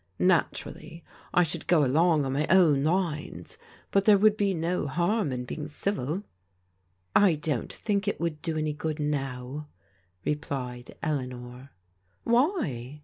Naturally I should go along on my own lines, but there would be no harm in being civil." "I don't think it would do any good now," replied Eleanor. "Why?'